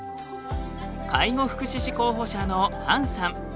介護福祉士候補者のハンさん。